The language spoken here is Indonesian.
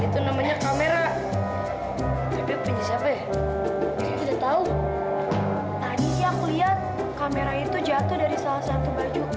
itu namanya kamera penyisap ya udah tahu tadi aku lihat kamera itu jatuh dari salah satu baju